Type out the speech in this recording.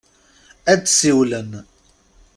Ad d-siwlen.